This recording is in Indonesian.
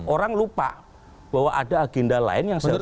orang lupa bahwa ada agenda lain yang seharusnya